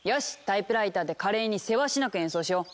タイプライターで華麗にせわしなく演奏しよう！